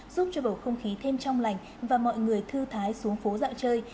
giúp cho bầu không khí thêm trong lành và mọi người thư thái xuống phố dạo chơi